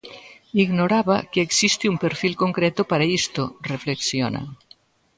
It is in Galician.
"Ignoraba que existe un perfil concreto para isto", reflexiona.